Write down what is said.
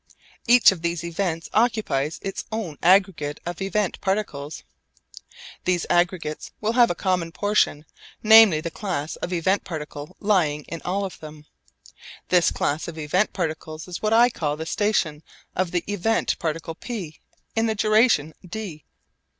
Each of these events occupies its own aggregate of event particles. These aggregates will have a common portion, namely the class of event particle lying in all of them. This class of event particles is what I call the 'station' of the event particle P in the duration d.